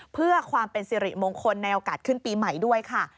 เพื่อความเป็นสิริมงคลในโอกาสขึ้นปีใหม่ด้วยค่ะ